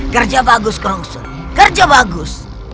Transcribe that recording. kerja bagus kronsen kerja bagus